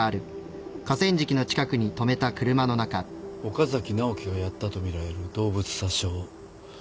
岡崎直樹がやったとみられる動物殺傷。